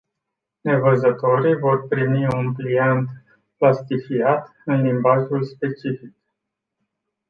Nevăzătorii vor primi un pliant plastifiat în limbajul specific.